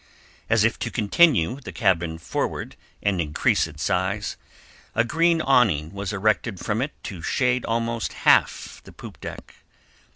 As if to continue the cabin forward and increase its size, a green awning was erected from it to shade almost half the poop deck.